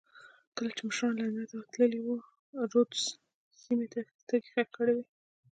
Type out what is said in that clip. کله چې مشران لندن ته تللي وو رودز سیمې ته سترګې خښې کړې وې.